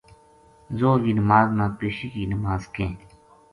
ظہر کی نماز نا پیشی کہ نماز کہیں۔